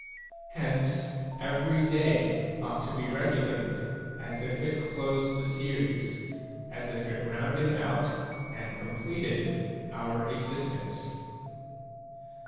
Hence, every day ought to be regulated as if it closed the series, as if it rounded out and completed our existence.